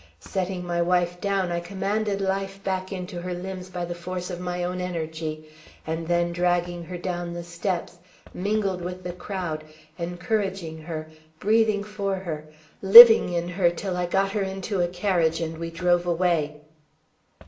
Setting my wife down, I commanded life back into her limbs by the force of my own energy, and then dragging her down the steps, mingled with the crowd, encouraging her, breathing for her, living in her till I got her into a carriage and we drove away.